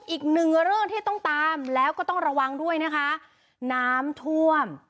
อีกหนึ่งเรื่องที่ต้องตามแล้วก็ต้องระวังด้วยนะคะน้ำท่วม